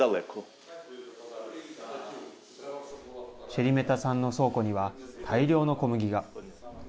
シェリメタさんの倉庫には大量の小麦が。